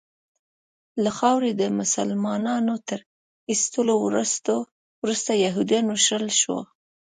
له خاورې د مسلنانو تر ایستلو وروسته یهودیان وشړل شول.